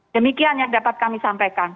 demikian yang dapat kami sampaikan